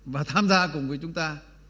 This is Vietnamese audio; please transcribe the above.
và tham gia cùng với chúng ta